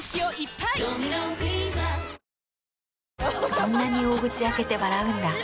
そんなに大口開けて笑うんだ。